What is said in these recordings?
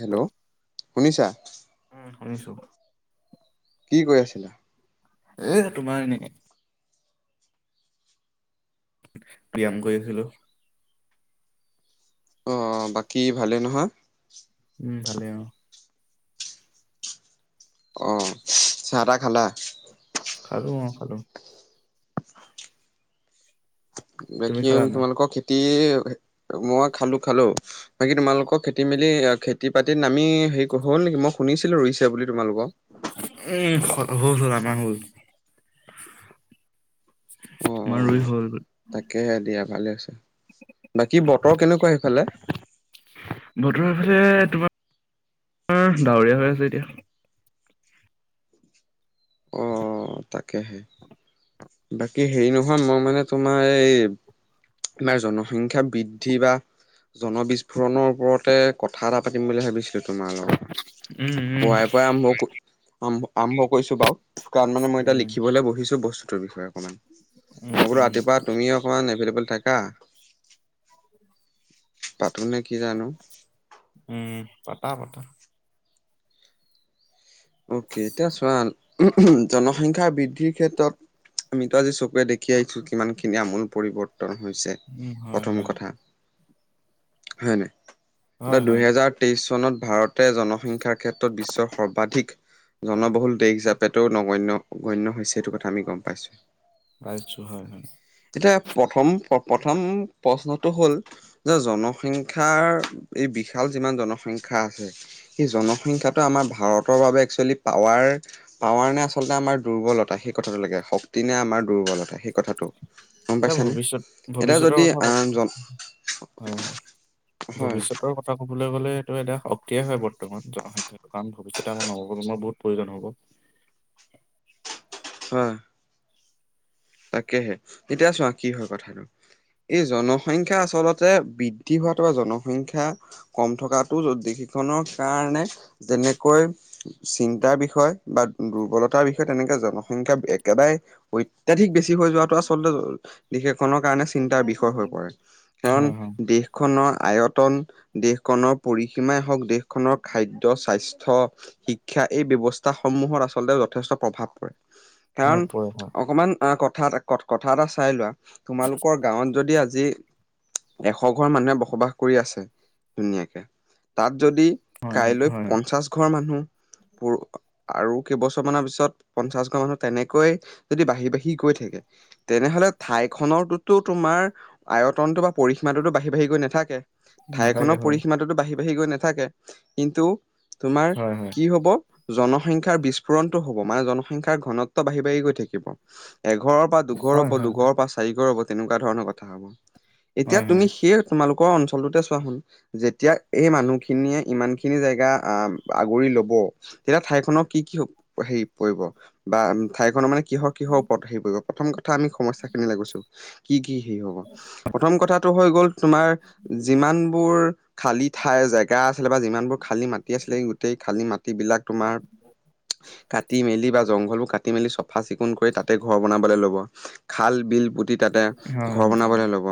Hello শুনিছা? উম শুনিছোঁ। কি কৰি আছিলা? এ তোমাৰ এনেকে ব্যায়াম কৰি আছিলোঁ। অ' বাকী ভালে নহয়? উম ভালে অ'। অ' চাহ তাহ খালা? খালো অ' খালো। তুমি বাকী খালা নাই তোমালোকৰ [unintelligible] মই খালোঁ-খালোঁ। বাকী তোমালোকক খেতি মেলি খেতি বাতিত নামি শেষ হ'ল নেকি? মই শুনিছিলোঁ ৰুইছে বুলি তোমালোকৰ। উম হ'ল-হ'ল আমাৰ হ'ল। অ অ আমাৰ ৰুই হৈ গ'ল। তাকেহে দিয়া ভালে আছে। বাকী বতৰ কেনেকুৱা সেইফালে? বতৰ এইফালে তোমাৰ ডাৱৰীয়া হৈ আছে এতিয়া। অ'-অ' তাকেহে। বাকী হেৰি নহয়, মই মানে তোমাৰ এই আমাৰ জনসংখ্যা বৃদ্ধি বা জনবিস্ফোৰণৰ ওপৰতে কথা এটা পাতিম বুলি ভাবিছিলোঁ তোমাৰ লগত? উম উম পুৱাই পুৱাই আৰম্ভ ক, আৰম আৰম্ভ কৰিছোঁ বাৰু। কাৰণ মানে মই এতিয়া উম লিখিবলৈ বহিছোঁ বস্তুটোৰ বিষয়ে অকনমান। উম মই বোলো উম ৰাতিপুৱা তুমিও অকমান এভেইলেবল থাকা, পাতো নেকি জানো। উম পাতা-পাতা। অকে এতিয়া চোৱা জনসংখ্যা বৃদ্ধিৰ ক্ষেত্ৰত আমিতো আজি চকুৰে দেখি আহিছোঁ কিমান খিনি আমূল পৰিৱৰ্তন হৈছে। উম হয় প্ৰথম হয় কথা, হয় নে হয় এতিয়া হয় দুহেজাৰ তেইছ চনত ভাৰতে জনসংখ্যাৰ ক্ষেত্ৰত বিশ্বৰ সৰ্বাধিক জনবহুল দেশ হিচাপেটো নগণ্য গণ্য হৈছে সেইটো কথা আমি গম পাইছোঁ। পাইছোঁ, হয়-হয়। এতিয়া প্ৰথম-প্ৰথম প্ৰশ্নটো হ'ল যে জনসংখ্যাৰ এই বিশাল যিমান জনসংখ্যা আছে সেই জনসংখ্যাটো আমাৰ ভাৰতৰ বাবে একচুৱেলি পাৱাৰ পাৱাৰ নে আচলতে আমাৰ দুৰ্বলতা সেই কথাটো লাগে, শক্তি নে আমাৰ দুৰ্বলতা সেই কথাটো? গম এতিয়া পাইছানে এতিয়া ভৱিষ্যত-ভৱিষ্যতৰ যদি কথা আহ ক জন হয়-হয়। হয় ভৱিষ্যতৰ কথা ক'বলৈ গ'লে এইটো এটা শক্তিয়ে হয় বৰ্তমান জনসংখ্যা। কাৰণ ভৱিষ্যতে আমাৰ নৱ- প্ৰজন্মৰ বহুত প্ৰয়োজন হ'ব। হয়। তাকেহে, এতিয়া চোৱা কি হয় কথাটো এই জনসংখ্যা আচলতে বৃদ্ধি হোৱাটো বা জনসংখ্যা কম থকাটো দেশ এখনৰ কাৰণে যেনেকৈ চিন্তাৰ বিষয় বা দুৰ্বলতাৰ বিষয় তেনেকে জনসংখ্যা একেবাৰে প অত্যাধিক বেছি হৈ যোৱাটো আচলতে দেশ এখনৰ কাৰণে চিন্তাৰ বিষয় হৈ পৰে। কাৰণ হয় হয় দেশ দেশৰ খনৰ আয়তন, দেশখনৰ পৰিসীমাই হওক, দেশখনৰ খাদ্য, স্বাস্থ্য শিক্ষা এই ব্যৱস্থাসমূহত আচলতে যথেষ্ট প্ৰভাৱ পৰে। কাৰণ হয় পৰে হয় অকমান আ কথা এ কথা এটা চাই লোৱা, তোমালোকৰ গাঁৱত যদি আজি এশ ঘৰ মানুহে বসবাস কৰি আছে ধুনীয়াকে তাত যদি হয় হয় কাইলৈ হয় পঞ্চাশ ঘৰ মানুহ পৰু আৰু কেইবছৰমানৰ পিছত পঞ্চাশ ঘৰ মানুহ তেনেকৈয়ে যদি বাঢ়ি-বাঢ়ি বাঢ়ি গৈ থাকে তেনেহলে ঠাইখনৰটোতো তোমাৰ আয়তনতো বা পৰিসীমাটোতো বাঢ়ি-বাঢ়ি গৈ নাথাকে। নাথাকে ঠাইখনৰ হয়, পৰিসীমাটোতো বাঢ়ি-বাঢ়ি গৈ নাথাকে কিন্তু তোমাৰ হয় হয়, কি হ'ব জনসংখ্যাৰ বিস্ফোৰণটো হ'ব মানে জনসংখ্যাৰ ঘনত্ব বাঢ়ি-বাঢ়ি গৈ থাকিব। এঘৰৰ পৰা দুঘৰ হয় হ'ব, হয়, দুঘৰৰ পৰা চাৰিঘৰ হ'ব তেনেকুৱা ধৰণৰ কথা হ'ব। এতিয়া হয় তুমি হয়, সেই তোমালোকৰ অঞ্চলটোতে চোৱা চোন যেতিয়া এই মানুহখিনিয়ে ইমান খিনি জেগা আহ আগুৰি ল'ব তেতিয়া ঠাইখনৰ কি কি হেৰি পৰিব বা ঠাইখনৰ মানে কিহৰ-কিহৰ ওপৰতহে পৰিব প্ৰথম কথা আমি সমস্যাখিনিলৈ গৈছোঁ। কি কি হেৰি হ'ব, প্ৰথম কথাটো হৈ গ'ল তোমাৰ যিমানবোৰ খালী ঠাই জেগা আছিলে বা যিমানবোৰ খালী মাটি আছিলে গোটেই খালী মাটি মাটিবিলাক তোমাৰ কাটি মেলি বা জংঘলবোৰ কাটি মেলি চাফা চিকুণ কৰি তাত ঘৰ বনাবলৈ ল'ব, খাল- বিল পুতি তাতে হয় ঘৰ হয়, বনাবলৈ ল'ব,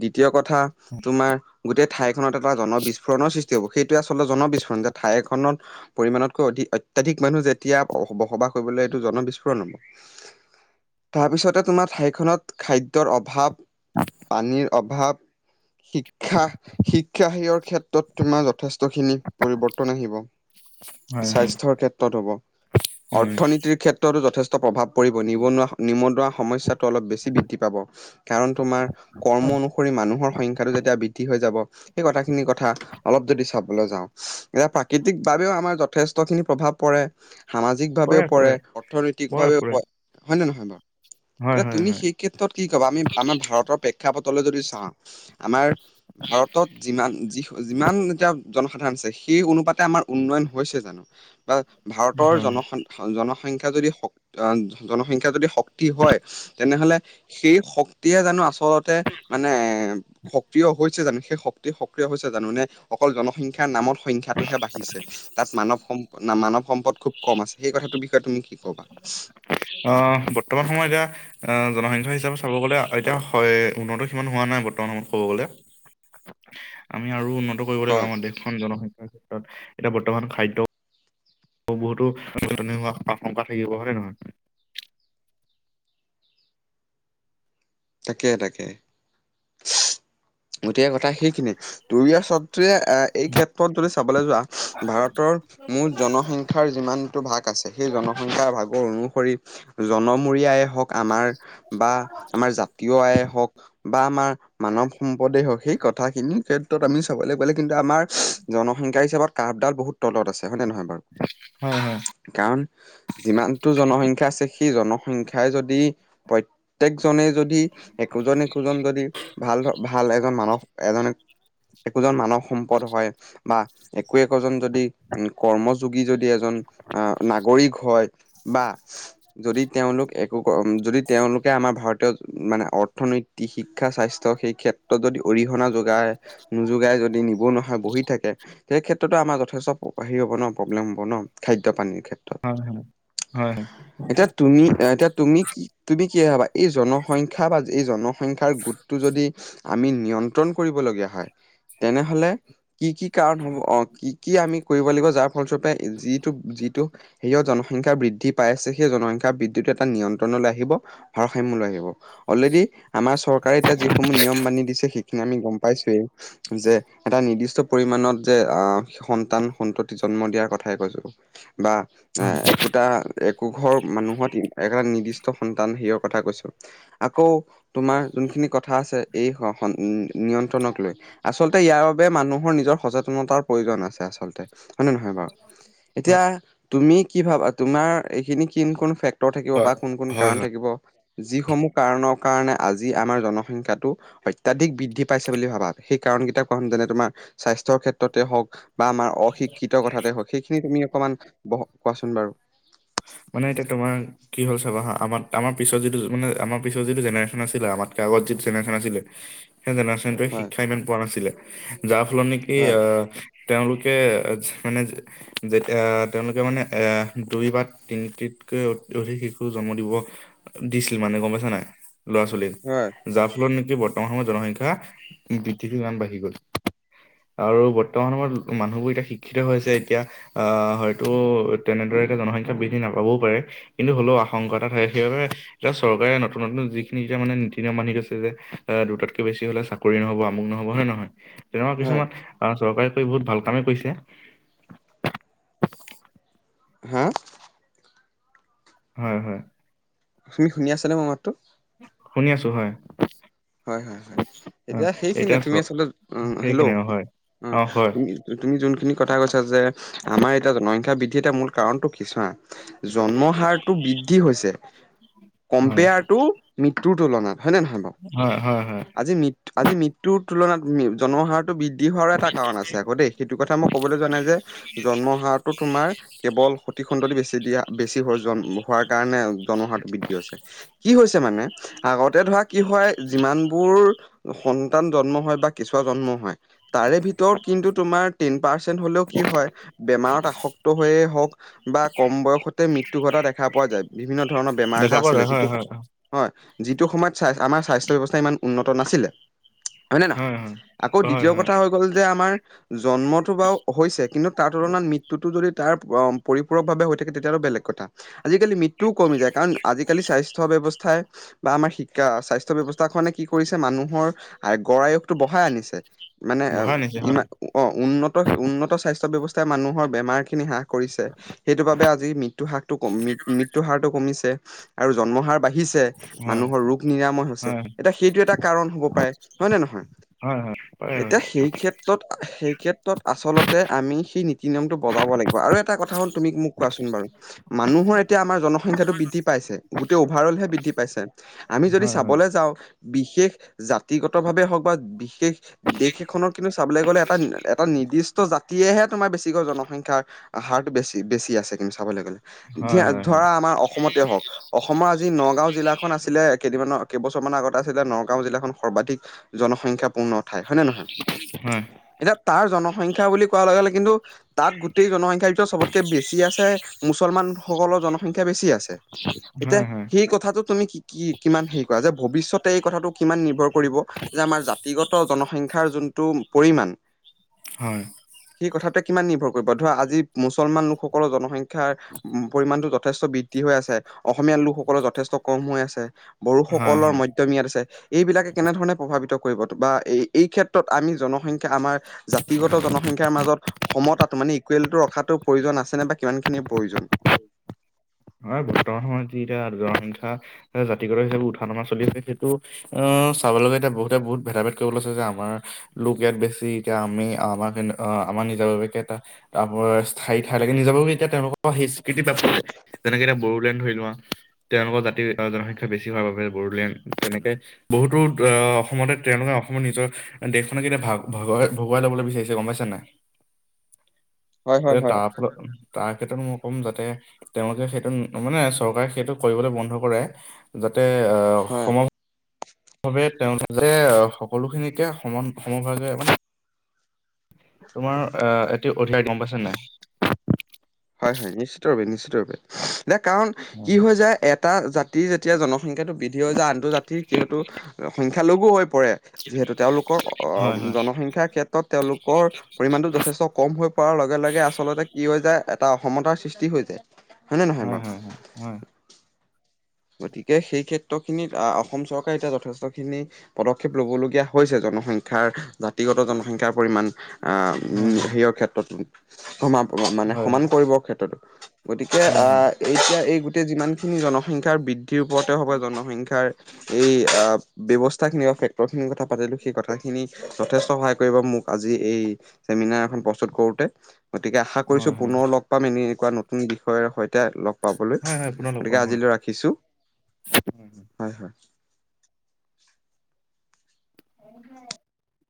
দ্বিতীয় কথা কথা তোমাৰ গোটেই ঠাইখনত এটা জন বিস্ফোৰণৰ সৃষ্টি হ'ব সেই সেইবোৰ আচলতে জন বিস্ফোৰণ যে ঠাই এখনত পৰিমাণতকৈ অধিক অত্যাধিক মানুহ যেতিয়া বসবাস কৰিবলৈ এইটো জন বিস্ফোৰণ হ'ব তাৰপিছতে তোমাৰ ঠাইখনত খাদ্যৰ অভাৱ, পানীৰ অভাৱ শিক্ষা শিক্ষাৰ হেৰিও ক্ষেত্ৰত তোমাৰ যথেষ্ট খিনি পৰিৱৰ্তন আহিব। হয় হয়, স্বাস্থ্যৰ ক্ষেত্ৰত হ'ব, হয়, অৰ্থনীতিৰ ক্ষেত্ৰতো যথেষ্ট প্ৰভাৱ পৰি গণিব নোৱাৰা নিবতুৱা সমস্যাটো অলপ বেছি বৃদ্ধি পাব কাৰণ তোমাৰ কৰ্ম অনুসৰি মানুহৰ সংখ্যাটো যেতিয়া বৃদ্ধি হৈ যাব সেই কথাখিনিৰ কথা অলপ যদি চাব- অভাৱলৈ যাওঁ, এতিয়া প্ৰাকৃতিকভাবেও আমাৰ যথেষ্টখিনি প্ৰভাৱ পৰে। সামাজিকভাৱেও পৰে, অৰ্থনৈতিকভাৱেও পৰে হয় নে নহয় বাৰু? হয় এতিয়া হয় তুমি হয়, সেই ক্ষেত্ৰত কি কবা আমি আমাৰ ভাৰতৰ প্ৰেক্ষাপটলৈ যদি চা আমাৰ ভাৰতত যিমান যি যিমান এতিয়া জনসাধাৰণ আছে, সেই অনুপাতে আমাৰ উন্নয়ন হৈছে জানো বা ভাৰতৰ হয়। জনসান ভাল জনসংখ্যা যদি হ [unintelligible] জনসংখ্যা যদি শক্তি হয় তেনেহলে সেই শক্তিয়ে জানো আচলত তে মানে সক্ৰিয় হৈছে জানো সেই শক্তি সক্ৰিয় হৈছে জানো নে অকল জনসংখ্যাৰ নামত সংখ্যাটোহে বাঢ়িছে, তাত মানৱ সম্প না মানৱ সম্পদ খুব কম আছে সেই কথাটোৰ বিষয়ে তুমি কি ক'বা? অ বৰ্তমান সময়ত এতিয়া আহ জনসংখ্যা হিচাপে চাব গ'লে এতিয়া হয় উন্নত সিমান হোৱা নাই বৰ্তমান সময়ত ক'ব গ'লে। আমি আৰু উন্নত কৰিব লাগিব হয় আমাৰ দেশখন জনসংখ্যাৰ ক্ষেত্ৰত এতিয়া বৰ্তমান খাদ্য বহুতো নাটনি হোৱা আশংকা থাকিব হয় নে নহয়? তাকে তাকে গোটেই কথা সেইখিনি। তুৰিয়া সতে এ এই ক্ষেত্ৰত যদি চাবলৈ যোৱা ভাৰতৰ মুঠ জনসংখ্যাৰ যিমানটো ভাগ আছে সেই জনসংখ্যাৰ ভাগৰ অনুসৰি জনমূৰি আয়ে হওক আমাৰ বা আমাৰ জাতীয় আয়ে হওক বা আমাৰ মানৱ সম্পদে হওক সেই কথাখিনিৰ ক্ষেত্ৰত আমি চাবলৈ গলে কিন্তু আমাৰ জনসংখ্যা হিচাপত কাঠডাল বহুত তলত আছে হয়নে নহয় বাৰু। হয় হয়, কাৰণ যিমানটো জনসংখ্যা আছে সেই জনসংখ্যাই যদি প্ৰত্যেকজনে যদ- তি একোজন একোজন যদি ভা- ভাল ভাল এজন মানস এজন একোজন মানৱ সম্পদ হয়। বা একো একোজন যদি উ কৰ্মযোগী যদি এজ- জন আহ নাগৰিক হয় বা যদি তেওঁলোক একো যদি তেওঁলোকে আমাৰ ভাৰতীয় মানে অৰ্থনৈত- শিক্ষা স্বাস্থ্য সেই ক্ষেত্ৰত যদি অৰিহণা যোগায়। নোযোগাই যদি নিবনুৱা হৈ বহি থাকে। সেই ক্ষেত্ৰতো আমাৰ যথেষ্ট হেৰি হব ন প্ৰব্লেম হব ন খাদ্য পানীৰ ক্ষেত- হয় হয় হয় হয়। তুমি এতিয়া তুমি কি তুমি কি ভাবা এই জনসংখ্যা বা এই জনসংখ্যাৰ গোটটো যদি আমি নিয়ন্ত্ৰণ কৰিবলগীয়া হয় তেনেহ'লে কি কি কাৰণ হ'ব অ কি কি আমি কৰিব লাগিব যাৰ ফলস্বৰূপে যিটো যিটো হেইয় জনসংখ্যা বৃদ্ধি পাই আছে সেই জনসংখ্যা বৃদ্ধিটো এটা নিয়ন্ত্ৰণলৈ আহিব। ভাৰসাম্য লৈ আহিব অলৰেডি আমাৰ চৰকাৰে এতিয়া যিসমূহ নিয়ম বান্ধি দিছে সেইখিনি আমি গম পাইছোৱেই যে এটা নিৰ্দিষ্ট পৰিমাণত যে আহ সন্তান সন্ততি জন্ম দিয়াৰ কথাই কৈছো বা এ হয় একোটা একো ঘৰ মানুহত একটা নিৰ্দিষ্ট সন্তান সেইৰ কথা কৈছো আকৌ তোমাৰ যোনখিনি কথা আছে এই নিয়ন্ত্ৰণক লৈ আচলতে ইয়াৰ বাবে মানুহৰ নিজৰ সচেতনতাৰ প্ৰয়োজন আছে আচলতে হয় নে নহয় বাও, এতিয়া তুমি কি ভাবা তোমাৰ এইখিনি কিন ক ফেক তৰ থাকিব হয়, বা কোন কোন হয় কাৰণ হয়। থাকিব যিসমূহ কাৰণৰ কাৰণে আজি আমাৰ জনসংখ্যাটো অত্যাধিক বৃদ্ধি পাইছে বুলি ভাবা, সেই কাৰণ কেইটা কোৱা যেনে তোমাৰ স্বাস্থ্য ক্ষেত্ৰতে হওক বা আমাৰ অশিক্ষিত কথাতে হওক। সেইখিনি তুমি অকমান ব কোৱাচোন বাৰু। মানে এতিয়া তোমাৰ কি হ'ল চাবা হা। আমাৰ আমাৰ পিছত যিটো মানে আমাৰ পিছত যিটো জেনেৰেশন আছিলে। আমাতকে আগত যিট জেনেৰেশন আছিলে। সেই জেনেচনটোৱে হয় শিক্ষা ইমান পোৱা নাছিলে। যাৰ ফলত নিকি হয় অহ তেওঁলোকে মানে যেতিয়া তেওঁলোকে মানে এ দুই বাট তিনটিতকে অধিক শিশু জন্ম দিব দিছিল মানে গম পাইছা নাই ল'ৰা ছোৱালী হয় যাৰ ফলত নিকি বৰ্তমান সময়ত জনসংখ্যা বৃদ্ধি ইমান বাঢ়ি গ'ল আৰু বৰ্তমান সময়ত মানুহবোৰ এতিয়া শিক্ষিত হৈছে এতিয়া আহ হয়তো তেনেদৰে জনসংখ্যা বৃদ্ধি নাপাবও পাৰে কিন্তু হ'লেও আশংকা এটা থাকে সেইবাবে এতিয়া চৰকাৰে নতুন নতুন যিখিনি এতিয়া মানে নীতি নিয়ম মানি গৈছে যে দুটাতকে বেছি হলে কৰি নহব আমুক নহব হয় নে নহয় তেনেকুৱা হয় কিছুমান আহ চৰকাৰে কৈ বহুত ভাল কামেই কৰিছে হা হয় হয়। তুমি শুনি আছা নে মোৰ মাতটো? শুনি আছো হয়। হয় হয় হয়। অ এতিয়া সেইখিনিয়ে চ তুমি আচলতে উম হেল্ল' সেইখিনি উম অ হয় অ হয় তুমি তুমি যোনখিনি কথা কৈছা যে আমাৰ এতিয়া জনসংখ্যা বৃদ্ধি এটা মূল কাৰণটো কি চোৱা। জন্ম হাৰটো বৃদ্ধি হৈছে হয় কম্পেয়াৰটো মৃত্যুৰ তুলনাত হয়নে নহয় বাও। হয় হয় হয়। আজি মৃত্ আজি মৃত্যুৰ তুলনাত জন্ম হাৰত বৃদ্ধি হোৱাৰো এটা কাৰণ আছে আকৌ দেই। সেইটো কথা মই ক'বলৈ যোৱা নাই যে জন্ম হাৰটো তোমাৰ কেৱল সতি খণ্ড দি বেছি দিয়া বেছি হৈ জন হোৱাৰ কাৰণে জন্মহাৰটো বৃদ্ধি হৈছে। কি হৈছে মানে আগতে ধৰা কি হয় যিমান বোৰ সন্তান জন্ম হয় বা কেছুুৱা জন্ম হয়। তাৰে ভিতৰত কিন্তু তোমাৰ টেন পাৰ্চেণ্ট হ'লেও কি হয় বেমাৰত আসক্ত হৈয়ে হওক বা কম বয়সতে মৃত্যু ঘটা দেখা পোৱা যায়। বিভিন্ন ধৰণৰ বেমাৰ দেখা যে পোৱা আছিলে যায় হয় যিটো হয় হয় যিটো সময়ত চা ণআমাৰ স্বাস্থ্য ব্যৱস্থা ইমান উন্নত নাছিলে। হয় নে নহয়? আকৌ হয় দ্বিতীয় হয় কথা হ হ'ল যে আমাৰ জন্মটো বাও হৈছে কিন্তু তাৰ তুলনাত মৃত্যুটো যদি তাৰ পৰিপূৰক ভাৱে হৈ থাকে তেতিয়াহ'লে বেলেগ কথা। আজিকালি মিত টো কমি যায় কাৰণ আজিকালি স্বাস্থ্য ব্যৱস্থাই বা আমাৰ শিকা স্বাস্থ্য ব্যৱস্থা খনে কি কৰিছে মানুহৰ আয় গঢ় আয়ুসটো বঢ়াই আনিছে। মানে বঢ়াই নিছে হয় ইমান অ উন্নত উন্নত স্বাস্থ্য ব্যৱস্থাই মানুহৰ বেমাৰ খিনি হ্ৰাস কৰিছে। সেইটো বাবে আজি মৃত্যুহাকটো কমি মৃ মৃত্যুহাৰটো কমিছে আৰু জন্ম হাৰ বাঢ়ি হিছে। হয় মানুহৰ ৰোগ নিৰাময় হৈছে। হয় এতিয়া সেইটো এটা কাৰণ হব পাৰে। হয় নে নহয়? হয় হয় হয় এতিয়া সেইখি ক্ষেত্ৰত সেই ক্ষেত্ৰত আচলতে আমি সেই নীতি নিয়মটো বজাব লাগিব আৰু এটা কথা হ'ল তুমি মোক কোৱাচোন বাৰু। মানুহৰ এতিয়া আমাৰ জনসংখ্যাটো বৃদ্ধি পাইছে। গোটেই উভাৰ হলহে বৃদ্ধি পাইছে। আমি যদি হয় হয় চাবলে যাওঁ বিশেষ জাতিগত ভাৱে হওক বা বিশেষ দেশ এখনত কিন্তু চাবলে গলে এটা এটা নিৰ্দিষ্ট জাতিয়েহে তোমাৰ বেছিকৈ জনসংখ্যা হাৰটো বেছি বেছি আছে কিন্তু চাবলে গলে। হয়, ধিয়া হয়, হয়, ধৰা আমাৰ অসমতে হওক। অসমৰ আজি নগাঁও জিলাখন আছিলে কেইদিমানৰ কেইবছৰমান আগত আছ ধৰি লোৱা নগাঁও জিলাখন সৰ্বাধিক জনসংখ্যা পূৰ্ণ হয়। এতিয়া তাৰ জনসংখ্যা বুলি কোৱা লগে লগে কিন্তু তাত গোটেই জনসংখ্যা ভিতত চবতকে বেছি আছে মুছলমানসকলৰ জনসংখ্যা বেছি আছে। এতিয়া হয়, হয়, সেই কথাটো তুমি কি কি কিমান হেই কৰা যে ভৱিষ্যতে এই কথাটো কিমান নিৰ্ভৰ কৰিব। যে আমাৰ জাতিগত জনসংখ্যাৰ যোনটো পৰিমাণ। হয়। সেই কথাটোৱে কিমান নিৰ্ভৰ কৰিব ধৰা আজি মুছলমান লোকসকলৰ জনসংখ্যা। শিক্ষাৰ পৰিমাণটো যথেষ্ট বৃদ্ধি হৈ আছে অসমীয়া লোকসকলৰ যথেষ্ট কম হৈ আছে। হয়, বড়োসকলৰ হয়, ম তিয়া মিয়াত আছে। এইবিলাকে কেনেধৰণে প্ৰভাৱিত কৰিব বা এই এই ক্ষেত্ৰত আমি জনসংখ্যা আমাৰ। জাতিগত জনসংখ্যাৰ মাজত সমতাটো মানে ইকুৱেলটো ৰখাটো প্ৰয়োজন আছে নে বা কিমান খিনিৰ প্ৰয়োজন। হয় বৰ্তমান সময়ত যি এতিয়া জনসংখ্যা জাতিগত সেইবোৰ উঠা নমা চলি আছে সেইটো অ' চাবলে গ'লে এতিয়া বহুতে বহুত ভেদা ভেদ কৰিব লৈছে যে আমাৰ লোকে ইয়াত বেছি এতিয়া আমি আমাৰ-আমাৰ নিজাববীয়াকৈ এটা [unintelligible] স্থায়ী ঠাইলৈকে নিজাববীয়াকে এতিয়া তেওঁলোকৰ সেই স্বীকৃতিপ্ৰাপ্ত যেনেকে এতিয়া বড়োলেণ্ড ধৰি লোৱা। তেওঁলোকৰ জাতিৰ জনসংখ্যা বেছি হোৱাৰ বাবে বড়োলেণ্ড, তেনেকে বহুতো অ' অসমতে তেওঁলোকে অসমৰ নিজৰ দেশখনক এতিয়া ভাগ ভগোৱাই-ভগোৱাই ল'বলৈ বিচাৰিছে গম পাইছা নাই। হয় হয় এ হয় তাৰ-তাৰ ক্ষেত্ৰত মই ক'ম যাতে তেওঁলোকে সেইটো মানে চৰকাৰে সেইটো কৰিবলৈ বন্ধ কৰে যাতে হয় অসমৰ বাবে তেওঁলোকে সকলোখিনিকে সমান সমভাগে মানে তোমাৰ অ' এটি অধিকাৰ গম পাইছে নাই। হয়-হয় নিশ্চিত ৰূপে নিশ্চিত ৰূপে ইয়াৰ কাৰণ কি হৈ যায় এ এটা জাতিৰ যেতিয়া জনসংখ্যাটো বৃদ্ধি হৈ যায় আনটো জাতিৰ যিহেতু সংখ্যালঘু হৈ পৰে। যিহেতু তেওঁলোকৰ হয় হয় জনসংখ্যাৰ ক্ষেত্ৰ ত তেওঁলোকৰ পৰিমাণতটো যথেষ্ট কম হৈ পৰাৰ লগে-লগে আচলতে কি হয় যায় এটা অসমতাৰ সৃষ্টি হৈ যায়। হয় নে নহয় বাৰু হয়-হয়-হয়-হয়। গতিকে সেই ক্ষেত্ৰখিনিত অসম চৰকাৰে এতিয়া যথেষ্টখিনি পদক্ষেপ ল'ব লগীয়া হৈছে জনসংখ্যাৰ জাতিগত জনসংখ্যাৰ পৰিমাণ হয় হয় হেৰি অ'ক্ষেত্ৰতো সম মানে হয় সমান কৰিবৰ ক্ষেত্ৰতো। গতিকে হয় হয় হয় অ' এতিয়া এই গোটেই যিমান খিনি জনসংখ্যাৰ বৃদ্ধি বৃদ্ধিৰ ওপৰতে হওক বা জনসংখ্যাৰ এই ব্যৱস্থাখিনি আৰু ফেক্টৰখিনিৰ কথা পাতিলোঁ। সেই কথাখিনি যথেষ্ট সহায় কৰিব মোক আজি এই চেমিনাৰ এখন প্ৰস্তুত কৰোঁতে। গতিকে আশা কৰিছোঁ হয় হয় হয় হয় হয় হয় পুনৰ লগ পাম এনেকুৱা নতুন বিষয়ৰ সৈতে লগ পাবলৈ হয় হয় পুনৰ লগ গতিকে পাম হয় আজিলৈ ৰাখিছোঁ। হয়। হয়-হয়। [unintelligible]